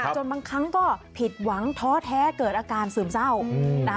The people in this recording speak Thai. จนบางครั้งก็ผิดหวังท้อแท้เกิดอาการซึมเศร้า